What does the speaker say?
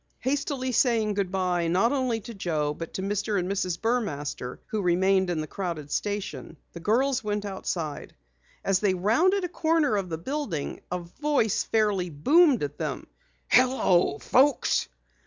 Hastily saying goodbye not only to Joe but to Mr. and Mrs. Burmaster who remained in the crowded station, the girls went outside. As they rounded a corner of the building a voice fairly boomed at them: "Hello, folks!"